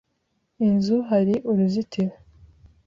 Inzu hari uruzitiro.